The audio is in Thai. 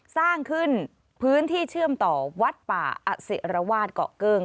สร้างขึ้นพื้นที่เชื่อมต่อวัดป่าอสิรวาสเกาะเกิ้ง